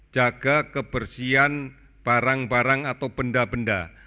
jaga kebersihan barang barang atau benda benda